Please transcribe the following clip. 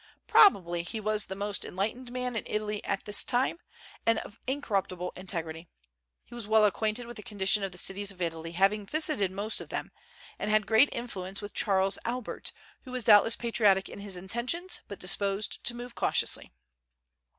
Probably he was the most enlightened man in Italy at this time, and of incorruptible integrity. He was well acquainted with the condition of the cities of Italy, having visited most of them, and had great influence with Charles Albert, who was doubtless patriotic in his intentions, but disposed to move cautiously.